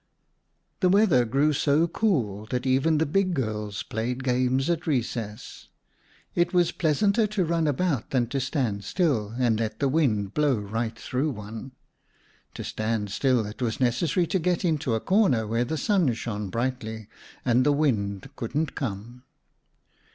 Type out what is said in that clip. The weather grew so cool that even the big girls played games at recess. It was pleasanter to run about than to stand still and let the wind blow right through one. To stand still, it was necessary to get into a corner where the sun shone brightly and the wind couldn't come.